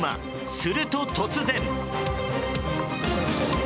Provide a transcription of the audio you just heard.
すると、突然。